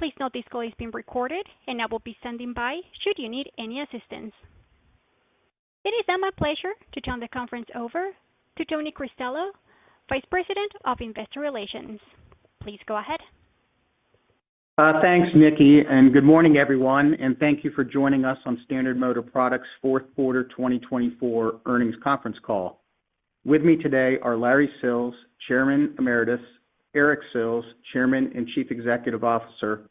Please note this call is being recorded and I will be standing by should you need any assistance. It is now my pleasure to turn the conference over to Tony Cristello, Vice President of Investor Relations. Please go ahead. Thanks, Nikki, and good morning, everyone. And thank you for joining us on Standard Motor Products' Fourth Quarter 2024 earnings conference call. With me today are Lawrence Sills, Chairman Emeritus, Eric Sills, Chairman and Chief Executive Officer,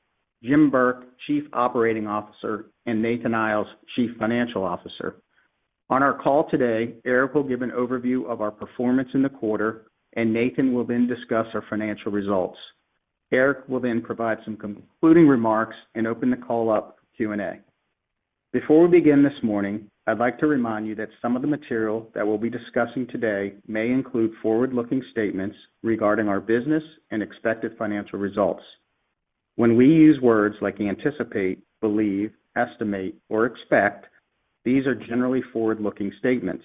Jim Burke, Chief Operating Officer, and Nathan Iles, Chief Financial Officer. On our call today, Eric will give an overview of our performance in the quarter, and Nathan will then discuss our financial results. Eric will then provide some concluding remarks and open the call up for Q&A. Before we begin this morning, I'd like to remind you that some of the material that we'll be discussing today may include forward-looking statements regarding our business and expected financial results. When we use words like anticipate, believe, estimate, or expect, these are generally forward-looking statements.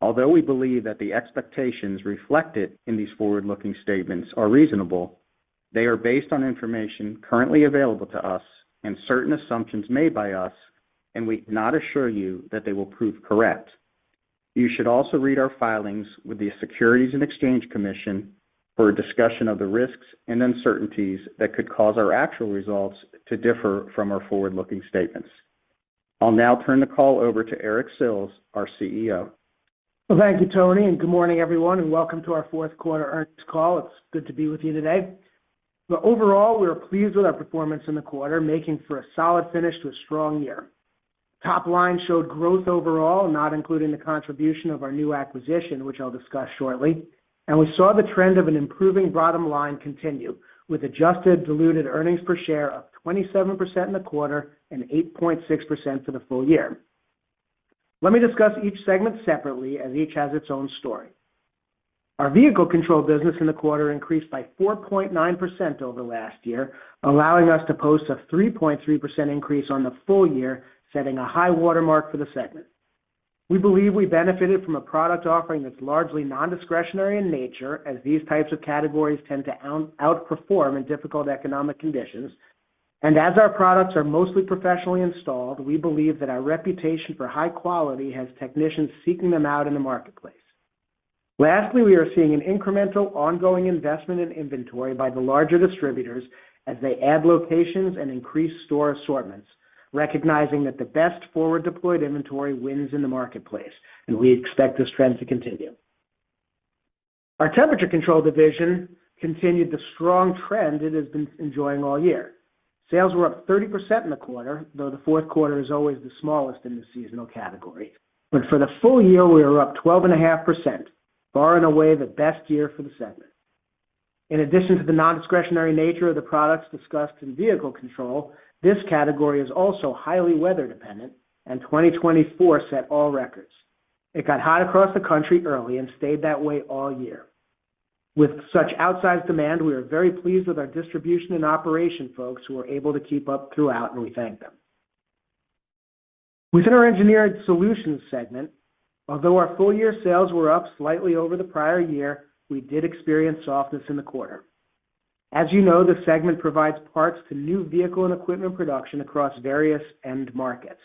Although we believe that the expectations reflected in these forward-looking statements are reasonable, they are based on information currently available to us and certain assumptions made by us, and we cannot assure you that they will prove correct. You should also read our filings with the Securities and Exchange Commission for a discussion of the risks and uncertainties that could cause our actual results to differ from our forward-looking statements. I'll now turn the call over to Eric Sills, our CEO. Well, thank you, Tony, and good morning, everyone, and welcome to our Fourth Quarter earnings call. It's good to be with you today. Overall, we're pleased with our performance in the quarter, making for a solid finish to a strong year. Top line showed growth overall, not including the contribution of our new acquisition, which I'll discuss shortly, and we saw the trend of an improving bottom line continue with Adjusted Diluted Earnings Per Share of 27% in the quarter and 8.6% for the full year. Let me discuss each segment separately, as each has its own story. Our Vehicle Control business in the quarter increased by 4.9% over last year, allowing us to post a 3.3% increase on the full year, setting a high watermark for the segment. We believe we benefited from a product offering that's largely non-discretionary in nature, as these types of categories tend to outperform in difficult economic conditions. And as our products are mostly professionally installed, we believe that our reputation for high quality has technicians seeking them out in the marketplace. Lastly, we are seeing an incremental ongoing investment in inventory by the larger distributors as they add locations and increase store assortments, recognizing that the best forward-deployed inventory wins in the marketplace, and we expect this trend to continue. Our Temperature Control division continued the strong trend it has been enjoying all year. Sales were up 30% in the quarter, though the fourth quarter is always the smallest in the seasonal category. But for the full year, we were up 12.5%, bar none the best year for the segment. In addition to the non-discretionary nature of the products discussed in Vehicle Control, this category is also highly weather-dependent, and 2024 set all records. It got hot across the country early and stayed that way all year. With such outsized demand, we are very pleased with our distribution and operation folks who are able to keep up throughout, and we thank them. Within our Engineered Solutions segment, although our full year sales were up slightly over the prior year, we did experience softness in the quarter. As you know, the segment provides parts to new vehicle and equipment production across various end markets.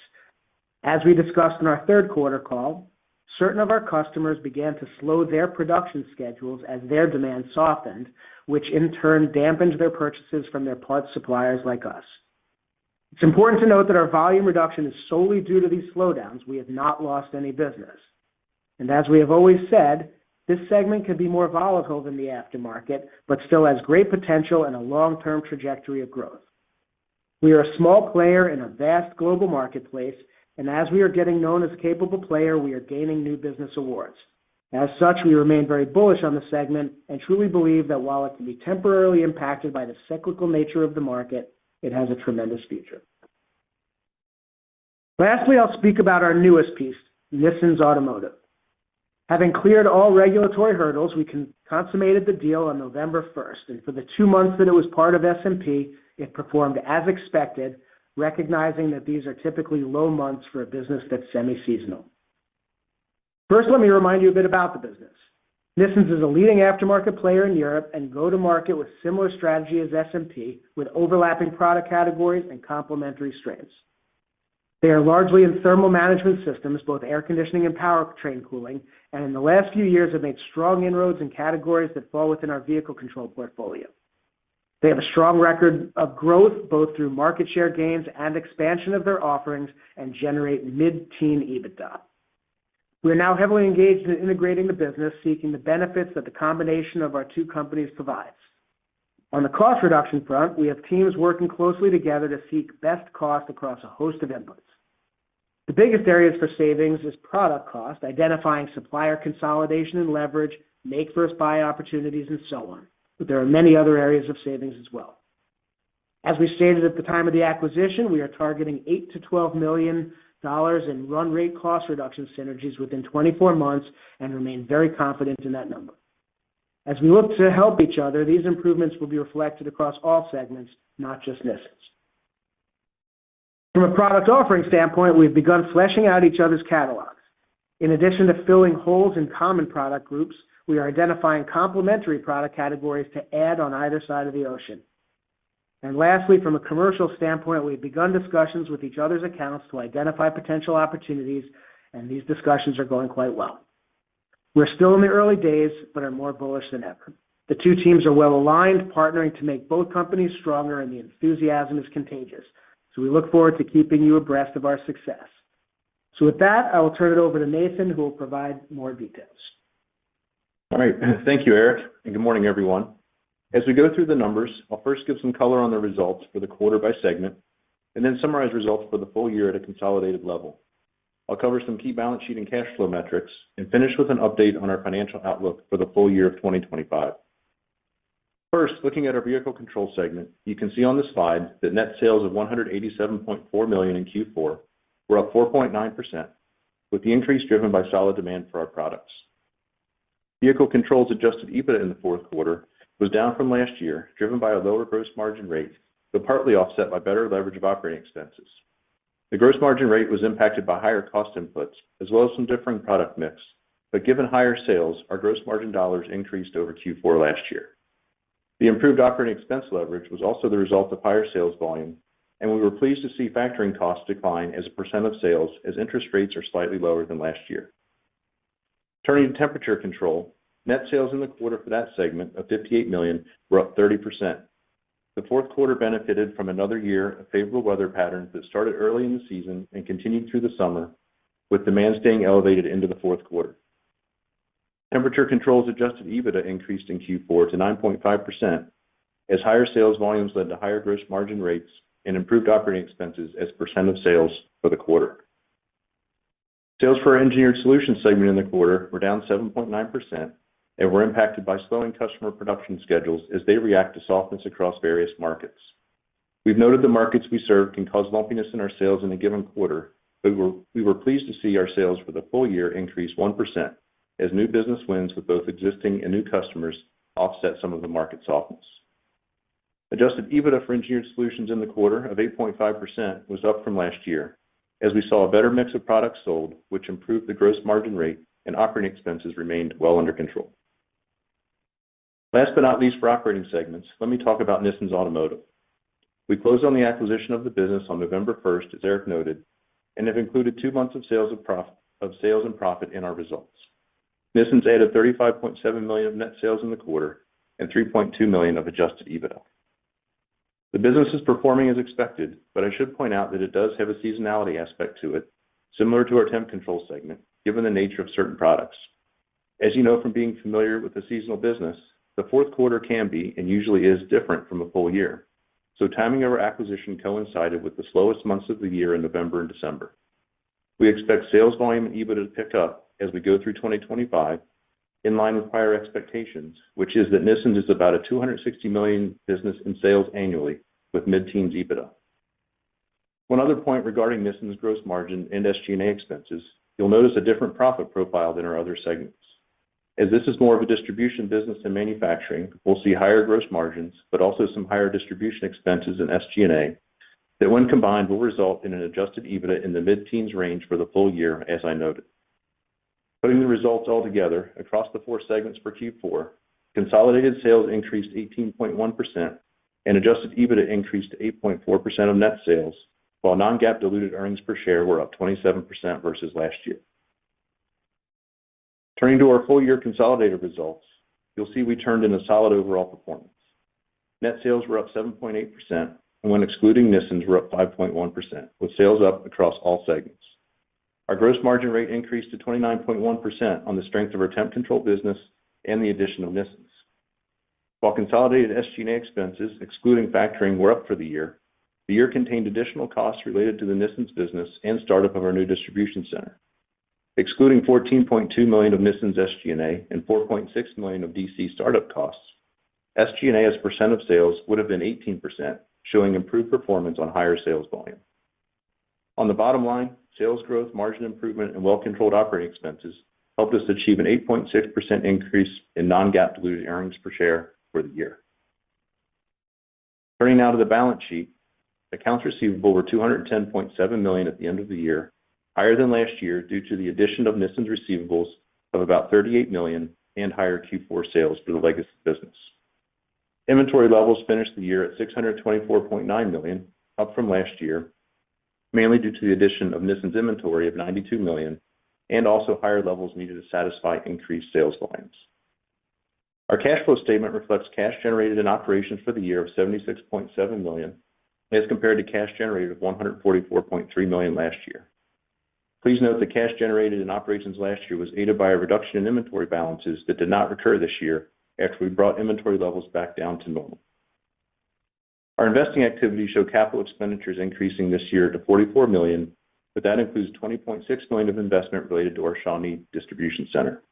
As we discussed in our third quarter call, certain of our customers began to slow their production schedules as their demand softened, which in turn dampened their purchases from their parts suppliers like us. It's important to note that our volume reduction is solely due to these slowdowns. We have not lost any business. And as we have always said, this segment could be more volatile than the aftermarket, but still has great potential and a long-term trajectory of growth. We are a small player in a vast global marketplace, and as we are getting known as a capable player, we are gaining new business awards. As such, we remain very bullish on the segment and truly believe that while it can be temporarily impacted by the cyclical nature of the market, it has a tremendous future. Lastly, I'll speak about our newest piece, Nissens Automotive. Having cleared all regulatory hurdles, we consummated the deal on November 1st, and for the two months that it was part of SMP, it performed as expected, recognizing that these are typically low months for a business that's semi-seasonal. First, let me remind you a bit about the business. Nissens is a leading aftermarket player in Europe and goes to market with a similar strategy as SMP, with overlapping product categories and complementary strengths. They are largely in thermal management systems, both air conditioning and powertrain cooling, and in the last few years, have made strong inroads in categories that fall within our Vehicle Control portfolio. They have a strong record of growth both through market share gains and expansion of their offerings and generate mid-teen EBITDA. We are now heavily engaged in integrating the business, seeking the benefits that the combination of our two companies provides. On the cost reduction front, we have teams working closely together to seek best cost across a host of inputs. The biggest areas for savings are product cost, identifying supplier consolidation and leverage, make-versus-buy opportunities, and so on. But there are many other areas of savings as well. As we stated at the time of the acquisition, we are targeting $8-$12 million in run rate cost reduction synergies within 24 months and remain very confident in that number. As we look to help each other, these improvements will be reflected across all segments, not just Nissens. From a product offering standpoint, we've begun fleshing out each other's catalogs. In addition to filling holes in common product groups, we are identifying complementary product categories to add on either side of the ocean. Lastly, from a commercial standpoint, we've begun discussions with each other's accounts to identify potential opportunities, and these discussions are going quite well. We're still in the early days but are more bullish than ever. The two teams are well aligned, partnering to make both companies stronger, and the enthusiasm is contagious. We look forward to keeping you abreast of our success. With that, I will turn it over to Nathan, who will provide more details. All right. Thank you, Eric. Good morning, everyone. As we go through the numbers, I'll first give some color on the results for the quarter by segment and then summarize results for the full year at a consolidated level. I'll cover some key balance sheet and cash flow metrics and finish with an update on our financial outlook for the full year of 2025. First, looking at our Vehicle Control segment, you can see on the slide that net sales of $187.4 million in Q4 were up 4.9%, with the increase driven by solid demand for our products. Vehicle Control's Adjusted EBITDA in the fourth quarter was down from last year, driven by a lower gross margin rate, but partly offset by better leverage of operating expenses. The gross margin rate was impacted by higher cost inputs as well as some differing product mix, but given higher sales, our gross margin dollars increased over Q4 last year. The improved operating expense leverage was also the result of higher sales volume, and we were pleased to see factoring costs decline as a percent of sales as interest rates are slightly lower than last year. Turning to Temperature Control, net sales in the quarter for that segment of $58 million were up 30%. The fourth quarter benefited from another year of favorable weather patterns that started early in the season and continued through the summer, with demand staying elevated into the fourth quarter. Temperature Control's Adjusted EBITDA increased in Q4 to 9.5% as higher sales volumes led to higher gross margin rates and improved operating expenses as a percent of sales for the quarter. Sales for our Engineered Solutions segment in the quarter were down 7.9% and were impacted by slowing customer production schedules as they react to softness across various markets. We've noted the markets we serve can cause lumpiness in our sales in a given quarter, but we were pleased to see our sales for the full year increase 1% as new business wins with both existing and new customers offset some of the market softness. Adjusted EBITDA for Engineered Solutions in the quarter of 8.5% was up from last year as we saw a better mix of products sold, which improved the gross margin rate, and operating expenses remained well under control. Last but not least for operating segments, let me talk about Nissens Automotive. We closed on the acquisition of the business on November 1st, as Eric noted, and have included two months of sales and profit in our results. Nissens added $35.7 million of net sales in the quarter and $3.2 million of Adjusted EBITDA. The business is performing as expected, but I should point out that it does have a seasonality aspect to it, similar to our temp control segment, given the nature of certain products. As you know from being familiar with the seasonal business, the fourth quarter can be and usually is different from a full year. So timing our acquisition coincided with the slowest months of the year in November and December. We expect sales volume and EBITDA to pick up as we go through 2025 in line with prior expectations, which is that Nissens is about a $260 million business in sales annually with mid-teens EBITDA. One other point regarding Nissens gross margin and SG&A expenses, you'll notice a different profit profile than our other segments. As this is more of a distribution business than manufacturing, we'll see higher gross margins, but also some higher distribution expenses and SG&A that when combined will result in an adjusted EBITDA in the mid-teens range for the full year, as I noted. Putting the results all together across the four segments for Q4, consolidated sales increased 18.1% and adjusted EBITDA increased 8.4% of net sales, while non-GAAP diluted earnings per share were up 27% versus last year. Turning to our full year consolidated results, you'll see we turned in a solid overall performance. Net sales were up 7.8%, and when excluding Nissens, we're up 5.1%, with sales up across all segments. Our gross margin rate increased to 29.1% on the strength of our temp control business and the addition of Nissens. While consolidated SG&A expenses, excluding factoring, were up for the year, the year contained additional costs related to the Nissens business and startup of our new distribution center. Excluding $14.2 million of Nissens SG&A and $4.6 million of DC startup costs, SG&A as a percent of sales would have been 18%, showing improved performance on higher sales volume. On the bottom line, sales growth, margin improvement, and well-controlled operating expenses helped us achieve an 8.6% increase in non-GAAP diluted earnings per share for the year. Turning now to the balance sheet, accounts receivable were $210.7 million at the end of the year, higher than last year due to the addition of Nissens receivables of about $38 million and higher Q4 sales for the legacy business. Inventory levels finished the year at $624.9 million, up from last year, mainly due to the addition of Nissens inventory of $92 million and also higher levels needed to satisfy increased sales volumes. Our cash flow statement reflects cash generated in operations for the year of $76.7 million as compared to cash generated of $144.3 million last year. Please note that cash generated in operations last year was aided by a reduction in inventory balances that did not recur this year after we brought inventory levels back down to normal. Our investing activity showed capital expenditures increasing this year to $44 million, but that includes $20.6 million of investment related to our Shawnee distribution center.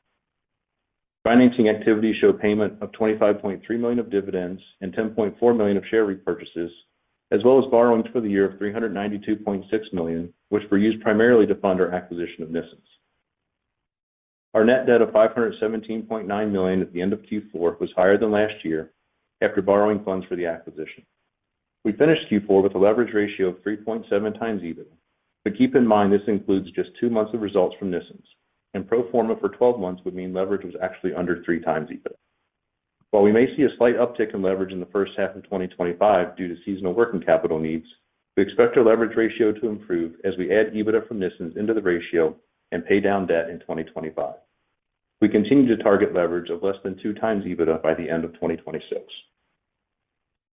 Financing activity showed payment of $25.3 million of dividends and $10.4 million of share repurchases, as well as borrowings for the year of $392.6 million, which were used primarily to fund our acquisition of Nissens. Our net debt of $517.9 million at the end of Q4 was higher than last year after borrowing funds for the acquisition. We finished Q4 with a leverage ratio of 3.7 times EBITDA. But keep in mind this includes just two months of results from Nissens, and pro forma for 12 months would mean leverage was actually under three times EBITDA. While we may see a slight uptick in leverage in the first half of 2025 due to seasonal working capital needs, we expect our leverage ratio to improve as we add EBITDA from Nissens into the ratio and pay down debt in 2025. We continue to target leverage of less than two times EBITDA by the end of 2026.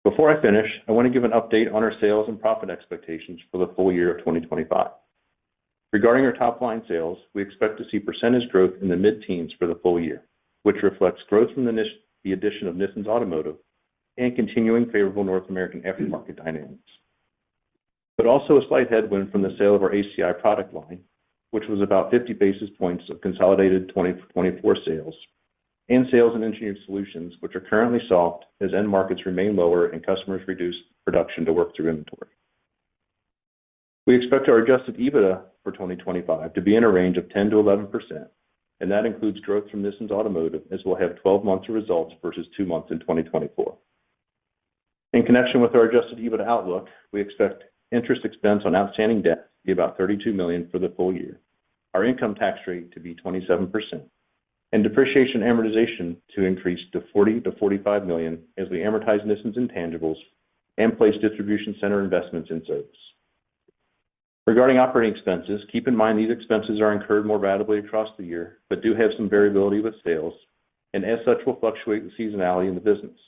Before I finish, I want to give an update on our sales and profit expectations for the full year of 2025. Regarding our top line sales, we expect to see percentage growth in the mid-teens for the full year, which reflects growth from the addition of Nissens Automotive and continuing favorable North American aftermarket dynamics, but also a slight headwind from the sale of our ACI product line, which was about 50 basis points of consolidated 2024 sales, and sales in Engineered Solutions, which are currently soft as end markets remain lower and customers reduce production to work through inventory. We expect our Adjusted EBITDA for 2025 to be in a range of 10%-11%, and that includes growth from Nissens Automotive as we'll have 12 months of results versus two months in 2024. In connection with our adjusted EBITDA outlook, we expect interest expense on outstanding debt to be about $32 million for the full year, our income tax rate to be 27%, and depreciation and amortization to increase to $40 million-$45 million as we amortize Nissens intangibles and place distribution center investments in service. Regarding operating expenses, keep in mind these expenses are incurred more readily across the year but do have some variability with sales, and as such will fluctuate with seasonality in the business.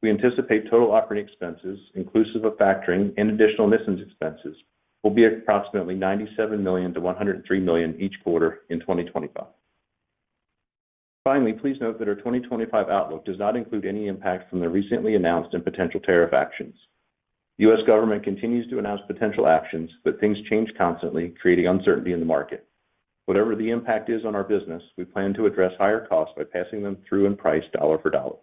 We anticipate total operating expenses, inclusive of factoring and additional Nissens expenses, will be approximately $97 million-$103 million each quarter in 2025. Finally, please note that our 2025 outlook does not include any impact from the recently announced and potential tariff actions. The U.S. government continues to announce potential actions, but things change constantly, creating uncertainty in the market. Whatever the impact is on our business, we plan to address higher costs by passing them through and price dollar for dollar.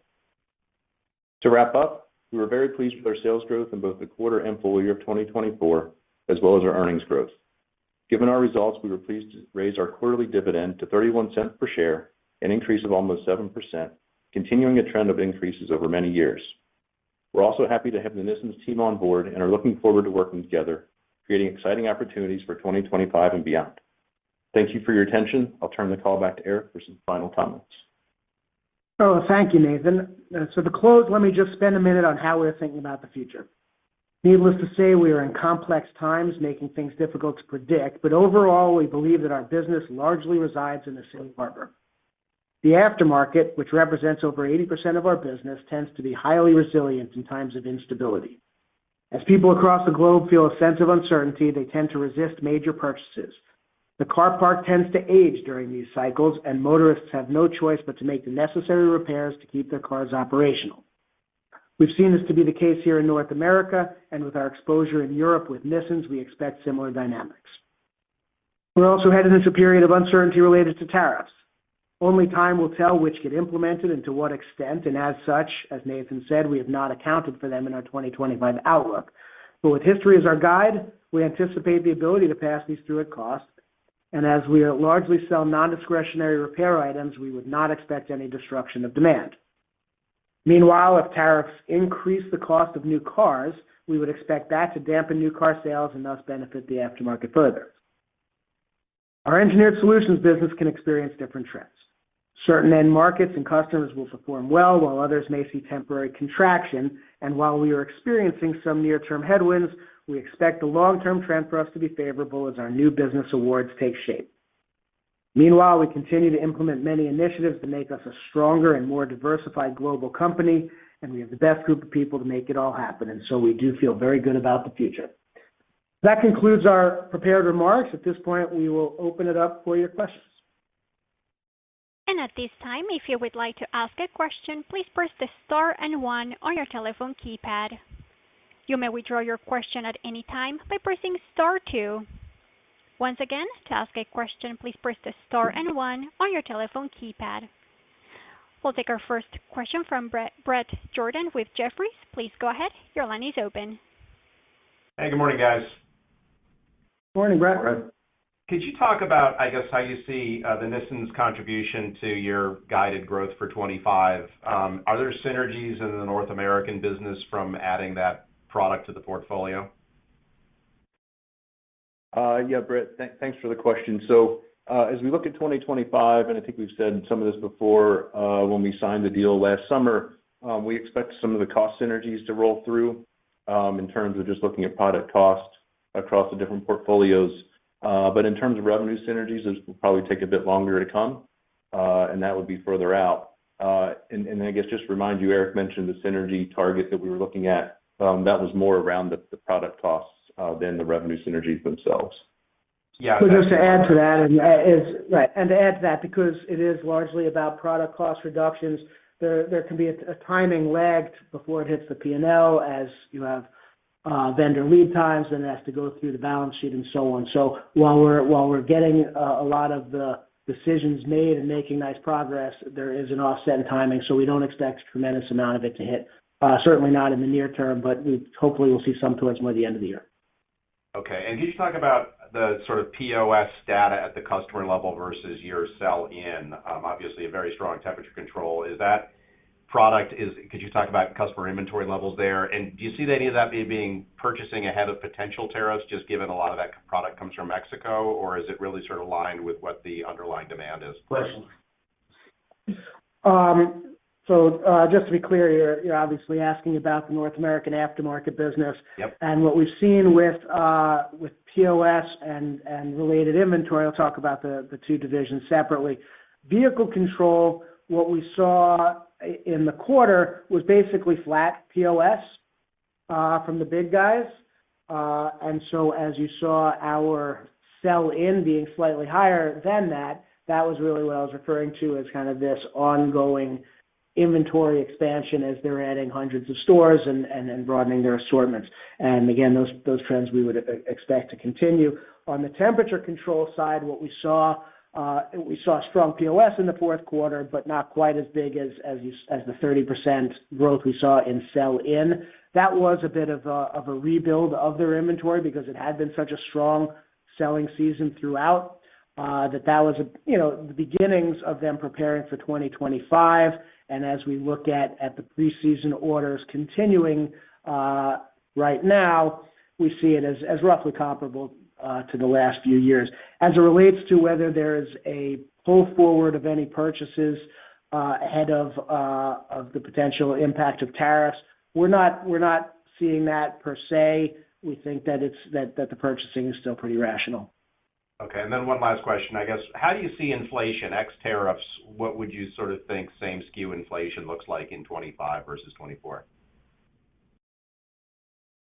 To wrap up, we were very pleased with our sales growth in both the quarter and full year of 2024, as well as our earnings growth. Given our results, we were pleased to raise our quarterly dividend to $0.31 per share, an increase of almost 7%, continuing a trend of increases over many years. We're also happy to have the Nissens team on board and are looking forward to working together, creating exciting opportunities for 2025 and beyond. Thank you for your attention. I'll turn the call back to Eric for some final comments. Oh, thank you, Nathan. So to close, let me just spend a minute on how we're thinking about the future. Needless to say, we are in complex times, making things difficult to predict, but overall, we believe that our business largely resides in the safe harbor. The aftermarket, which represents over 80% of our business, tends to be highly resilient in times of instability. As people across the globe feel a sense of uncertainty, they tend to resist major purchases. The car park tends to age during these cycles, and motorists have no choice but to make the necessary repairs to keep their cars operational. We've seen this to be the case here in North America, and with our exposure in Europe with Nissens, we expect similar dynamics. We're also headed into a period of uncertainty related to tariffs. Only time will tell which get implemented and to what extent, and as such, as Nathan said, we have not accounted for them in our 2025 outlook. But with history as our guide, we anticipate the ability to pass these through at cost, and as we largely sell non-discretionary repair items, we would not expect any destruction of demand. Meanwhile, if tariffs increase the cost of new cars, we would expect that to dampen new car sales and thus benefit the aftermarket further. Our engineered solutions business can experience different trends. Certain end markets and customers will perform well, while others may see temporary contraction, and while we are experiencing some near-term headwinds, we expect the long-term trend for us to be favorable as our new business awards take shape. Meanwhile, we continue to implement many initiatives to make us a stronger and more diversified global company, and we have the best group of people to make it all happen, and so we do feel very good about the future. That concludes our prepared remarks. At this point, we will open it up for your questions. At this time, if you would like to ask a question, please press the star and one on your telephone keypad. You may withdraw your question at any time by pressing star two. Once again, to ask a question, please press the star and one on your telephone keypad. We'll take our first question from Bret Jordan with Jefferies. Please go ahead. Your line is open. Hey, good morning, guys. Good morning, Bret. Could you talk about, I guess, how you see the Nissens contribution to your guided growth for '25? Are there synergies in the North American business from adding that product to the portfolio? Yeah, Bret. Thanks for the question. So as we look at 2025, and I think we've said some of this before when we signed the deal last summer, we expect some of the cost synergies to roll through in terms of just looking at product cost across the different portfolios. But in terms of revenue synergies, those will probably take a bit longer to come, and that would be further out. And I guess just to remind you, Eric mentioned the synergy target that we were looking at. That was more around the product costs than the revenue synergies themselves. Yeah. Just to add to that, because it is largely about product cost reductions, there can be a timing lag before it hits the P&L, as you have vendor lead times, and it has to go through the balance sheet and so on. So while we're getting a lot of the decisions made and making nice progress, there is an offset in timing, so we don't expect a tremendous amount of it to hit, certainly not in the near term, but hopefully we'll see some towards the end of the year. Okay. And could you talk about the sort of POS data at the customer level versus your sell-in, obviously a very strong temperature control? Is that product - could you talk about customer inventory levels there? And do you see any of that being purchasing ahead of potential tariffs, just given a lot of that product comes from Mexico, or is it really sort of aligned with what the underlying demand is? So just to be clear, you're obviously asking about the North American aftermarket business. And what we've seen with POS and related inventory, I'll talk about the two divisions separately. Vehicle Control, what we saw in the quarter was basically flat POS from the big guys. And so as you saw our sell-in being slightly higher than that, that was really what I was referring to as kind of this ongoing inventory expansion as they're adding hundreds of stores and broadening their assortments. And again, those trends we would expect to continue. On the Temperature Control side, what we saw, we saw strong POS in the fourth quarter, but not quite as big as the 30% growth we saw in sell-in. That was a bit of a rebuild of their inventory because it had been such a strong selling season throughout that that was the beginnings of them preparing for 2025, and as we look at the pre-season orders continuing right now, we see it as roughly comparable to the last few years. As it relates to whether there is a pull forward of any purchases ahead of the potential impact of tariffs, we're not seeing that per se. We think that the purchasing is still pretty rational. Okay. And then one last question, I guess. How do you see inflation, ex tariffs? What would you sort of think same-SKU inflation looks like in 2025 versus 2024?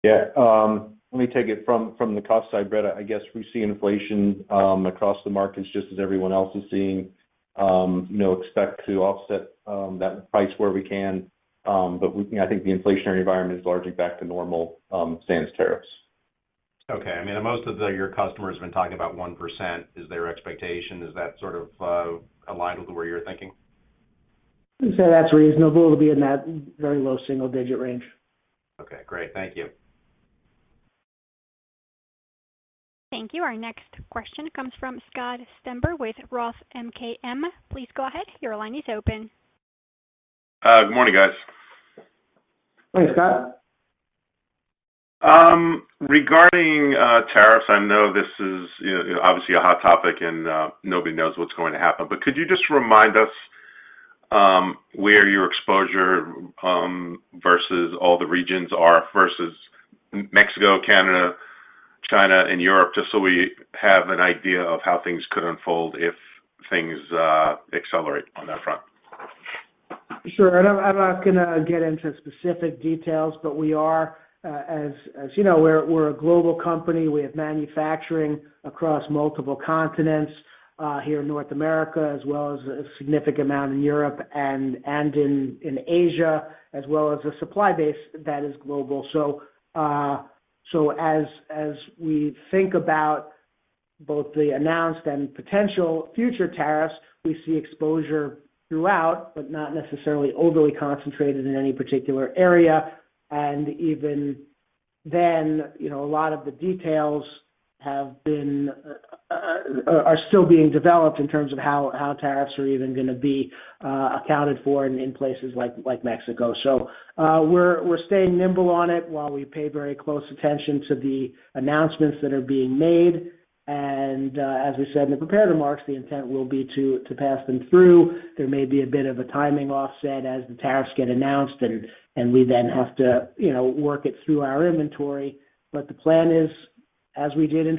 Yeah. Let me take it from the cost side, Bret. I guess we see inflation across the markets just as everyone else is seeing. Expect to offset that with price where we can. But I think the inflationary environment is largely back to normal standards, tariffs. Okay. I mean, most of your customers have been talking about 1%. Is their expectation - is that sort of aligned with the way you're thinking? I'd say that's reasonable to be in that very low single-digit range. Okay. Great. Thank you. Thank you. Our next question comes from Scott Stember with Roth MKM. Please go ahead. Your line is open. Good morning, guys. Morning, Scott. Regarding tariffs, I know this is obviously a hot topic and nobody knows what's going to happen, but could you just remind us where your exposure versus all the regions are versus Mexico, Canada, China, and Europe, just so we have an idea of how things could unfold if things accelerate on that front? Sure. I'm not going to get into specific details, but we are, as you know, we're a global company. We have manufacturing across multiple continents here in North America, as well as a significant amount in Europe and in Asia, as well as a supply base that is global, so as we think about both the announced and potential future tariffs, we see exposure throughout, but not necessarily overly concentrated in any particular area, and even then, a lot of the details are still being developed in terms of how tariffs are even going to be accounted for in places like Mexico. So we're staying nimble on it while we pay very close attention to the announcements that are being made, and as we said in the prepared remarks, the intent will be to pass them through. There may be a bit of a timing offset as the tariffs get announced, and we then have to work it through our inventory. But the plan is, as we did in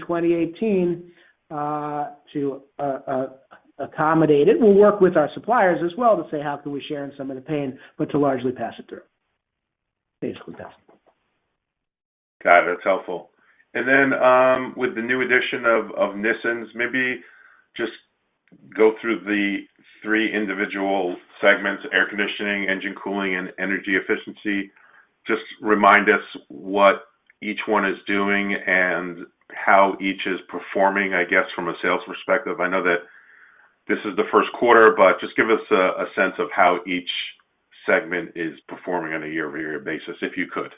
2018, to accommodate it. We'll work with our suppliers as well to say, "How can we share in some of the pain?" But to largely pass it through, basically pass it through. Got it. That's helpful. And then with the new addition of Nissens, maybe just go through the three individual segments: air conditioning, Engine Cooling, and Energy Efficiency. Just remind us what each one is doing and how each is performing, I guess, from a sales perspective. I know that this is the first quarter, but just give us a sense of how each segment is performing on a year-over-year basis, if you could.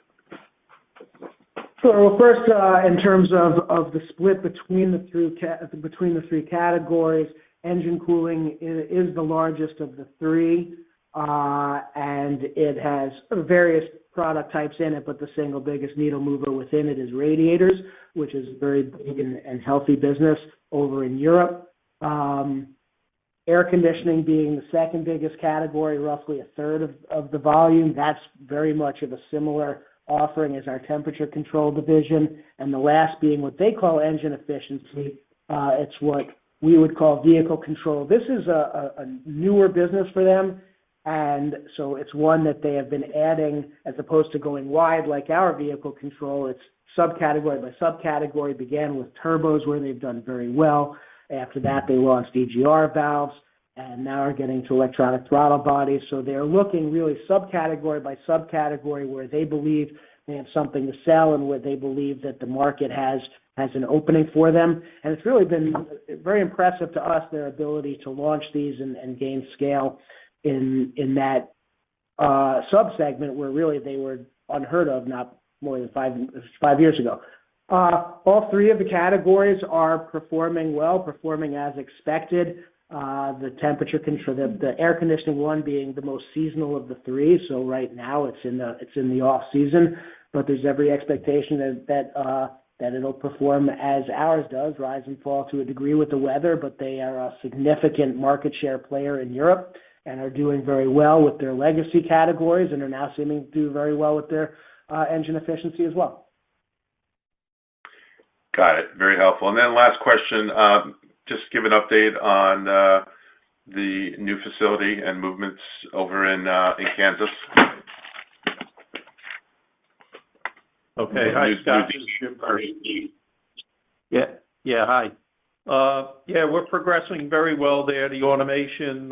Sure. Well, first, in terms of the split between the three categories, Engine Cooling is the largest of the three, and it has various product types in it, but the single biggest needle mover within it is radiators, which is a very big and healthy business over in Europe. Air conditioning being the second biggest category, roughly a third of the volume. That's very much of a similar offering as our temperature control division. And the last being what they call Engine Efficiency. It's what we would call Vehicle Control. This is a newer business for them. And so it's one that they have been adding as opposed to going wide like our Vehicle Control. It's subcategory by subcategory. It began with turbos, where they've done very well. After that, they launched EGR valves, and now are getting to electronic throttle bodies. So they are looking really subcategory by subcategory where they believe they have something to sell and where they believe that the market has an opening for them. And it's really been very impressive to us, their ability to launch these and gain scale in that subsegment where really they were unheard of not more than five years ago. All three of the categories are performing well, performing as expected. The air conditioning one being the most seasonal of the three. So right now, it's in the off-season, but there's every expectation that it'll perform as ours does, rise and fall to a degree with the weather, but they are a significant market share player in Europe and are doing very well with their legacy categories and are now seeming to do very well with their Engine Efficiency as well. Got it. Very helpful. And then last question, just give an update on the new facility and movements over in Kansas. Okay. Hi, Scott. We're progressing very well there. The automation,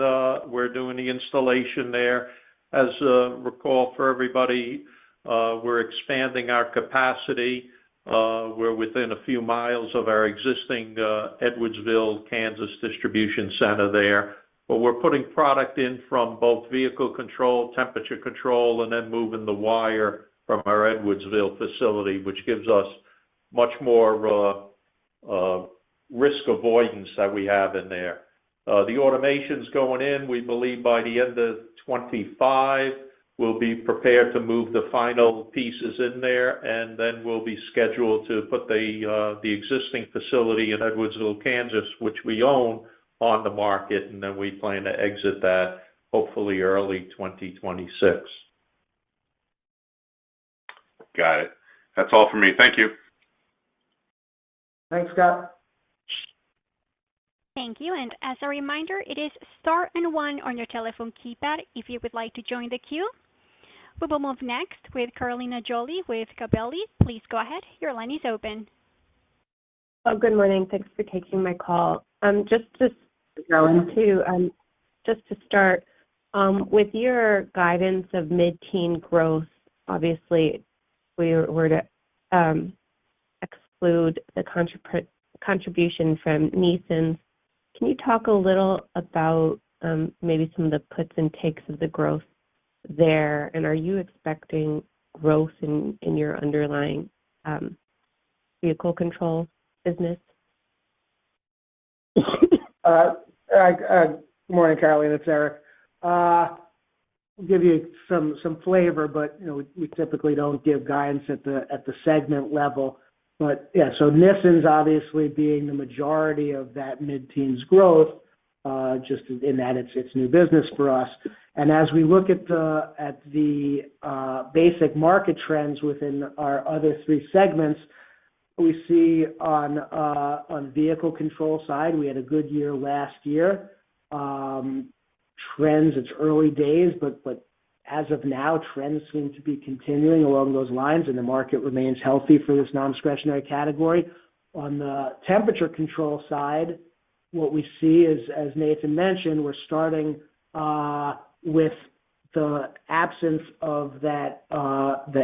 we're doing the installation there. As a recall for everybody, we're expanding our capacity. We're within a few miles of our existing Edwardsville, Kansas distribution center there. But we're putting product in from both Vehicle Control, Temperature Control, and then moving the wire from our Edwardsville facility, which gives us much more risk avoidance that we have in there. The automation's going in. We believe by the end of 2025, we'll be prepared to move the final pieces in there, and then we'll be scheduled to put the existing facility in Edwardsville, Kansas, which we own, on the market, and then we plan to exit that hopefully early 2026. Got it. That's all for me. Thank you. Thanks, Scott. Thank you. And as a reminder, it is star and one on your telephone keypad if you would like to join the queue. We will move next with Carolina Jolly with Gabelli. Please go ahead. Your line is open. Oh, good morning. Thanks for taking my call. Just to start with your guidance of mid-teen growth, obviously, we were to exclude the contribution from Nissens. Can you talk a little about maybe some of the puts and takes of the growth there? And are you expecting growth in your underlying Vehicle Control business? Good morning, Carolina. It's Eric. I'll give you some flavor, but we typically don't give guidance at the segment level. But yeah, so Nissens obviously being the majority of that mid-teens growth just in that it's new business for us. And as we look at the basic market trends within our other three segments, we see on the Vehicle Control side, we had a good year last year. Trends, it's early days, but as of now, trends seem to be continuing along those lines, and the market remains healthy for this non-discretionary category. On the temperature control side, what we see is, as Nathan mentioned, we're starting with the absence of the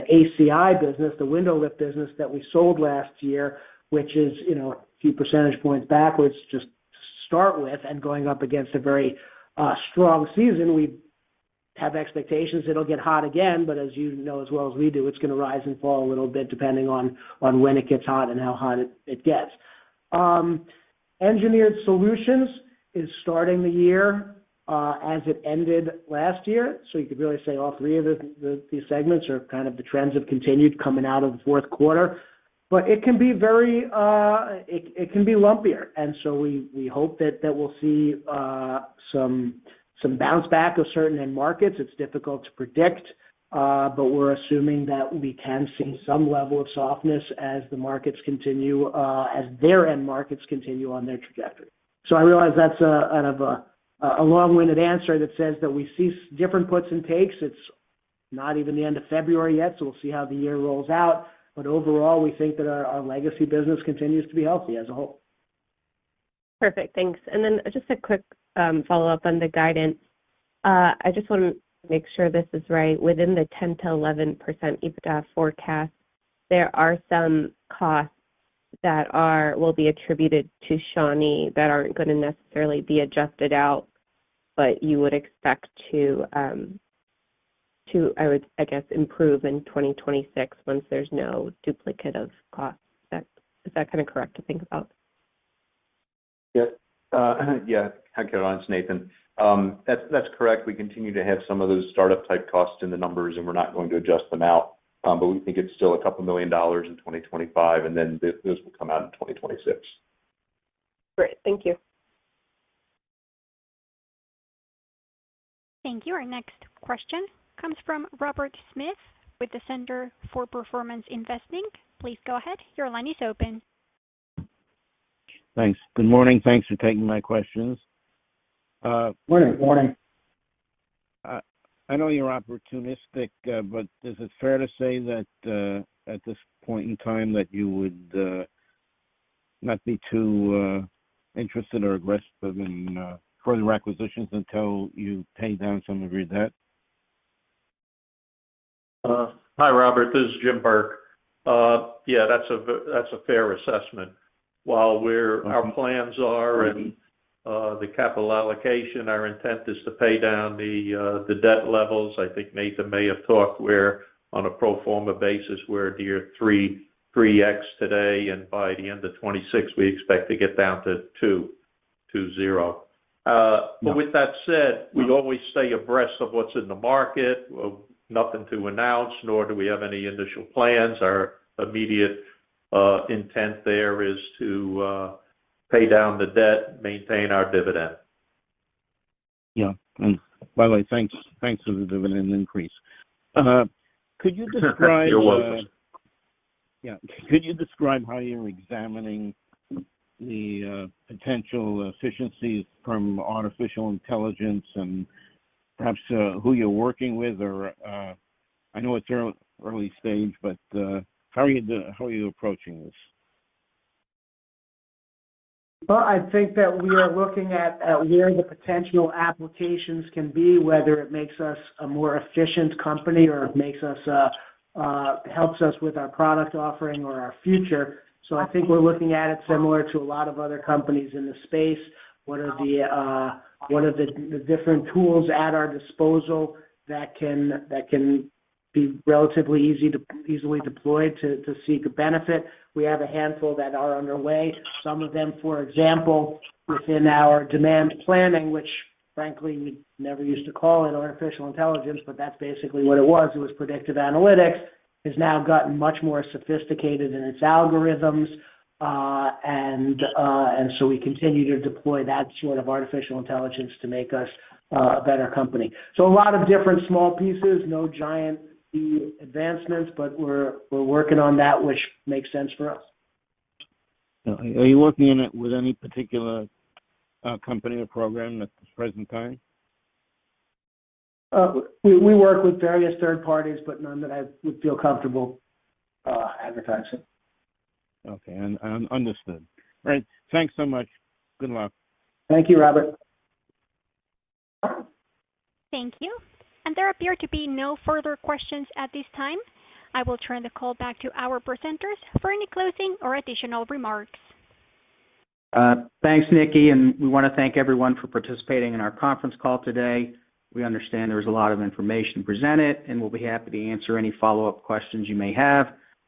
ACI business, the window lift business that we sold last year, which is a few percentage points backwards to start with and going up against a very strong season. We have expectations it'll get hot again, but as you know as well as we do, it's going to rise and fall a little bit depending on when it gets hot and how hot it gets. Engineered Solutions is starting the year as it ended last year, so you could really say all three of these segments are kind of the trends have continued coming out of the fourth quarter, but it can be very, it can be lumpier, and so we hope that we'll see some bounce back of certain end markets. It's difficult to predict, but we're assuming that we can see some level of softness as the markets continue, as their end markets continue on their trajectory, so I realize that's kind of a long-winded answer that says that we see different puts and takes. It's not even the end of February yet, so we'll see how the year rolls out. But overall, we think that our legacy business continues to be healthy as a whole. Perfect. Thanks, and then just a quick follow-up on the guidance. I just want to make sure this is right. Within the 10%-11% EBITDA forecast, there are some costs that will be attributed to Shawnee that aren't going to necessarily be adjusted out, but you would expect to, I guess, improve in 2026 once there's no duplicate of costs. Is that kind of correct to think about? Yeah. Yeah. Hi, Carolynne. It's Nathan. That's correct. We continue to have some of those startup-type costs in the numbers, and we're not going to adjust them out. But we think it's still $2 million in 2025, and then those will come out in 2026. Great. Thank you. Thank you. Our next question comes from Robert Smith with the Center for Performance Investing. Please go ahead. Your line is open. Thanks. Good morning. Thanks for taking my questions. Morning. Morning. I know you're opportunistic, but is it fair to say that at this point in time that you would not be too interested or aggressive in further acquisitions until you pay down some of your debt? Hi, Robert. This is Jim Burke. Yeah, that's a fair assessment. While our plans are in the capital allocation, our intent is to pay down the debt levels. I think Nathan may have talked where on a pro forma basis we're near 3x today, and by the end of 2026, we expect to get down to 2.20. But with that said, we always stay abreast of what's in the market. Nothing to announce, nor do we have any initial plans. Our immediate intent there is to pay down the debt, maintain our dividend. Yeah. By the way, thanks for the dividend increase. Could you describe? Yeah. It was. Yeah. Could you describe how you're examining the potential efficiencies from artificial intelligence and perhaps who you're working with? I know it's early stage, but how are you approaching this? I think that we are looking at where the potential applications can be, whether it makes us a more efficient company or helps us with our product offering or our future. So I think we're looking at it similar to a lot of other companies in the space. What are the different tools at our disposal that can be relatively easily deployed to seek a benefit? We have a handful that are underway. Some of them, for example, within our demand planning, which frankly, we never used to call it artificial intelligence, but that's basically what it was. It was predictive analytics. It's now gotten much more sophisticated in its algorithms. And so we continue to deploy that sort of artificial intelligence to make us a better company. So a lot of different small pieces, no giant advancements, but we're working on that, which makes sense for us. Are you working with any particular company or program at the present time? We work with various third parties, but none that I would feel comfortable advertising. Okay. Understood. All right. Thanks so much. Good luck. Thank you, Robert. Thank you, and there appear to be no further questions at this time. I will turn the call back to our presenters for any closing or additional remarks. Thanks, Nikki. And we want to thank everyone for participating in our conference call today. We understand there was a lot of information presented, and we'll be happy to answer any follow-up questions you may have.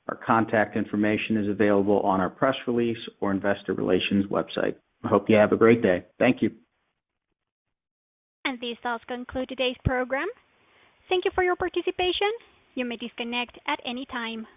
Our contact information is available on our press release or investor relations website. I hope you have a great day. Thank you. This does conclude today's program. Thank you for your participation. You may disconnect at any time.